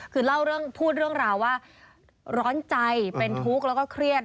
คือพูดเรื่องราวว่าร้อนใจเป็นทุกข์แล้วก็เครียด